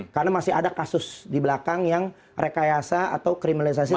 karena masih ada kasus di belakang yang rekayasa atau kriminalisasi